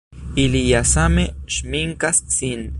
Ili ja same ŝminkas sin!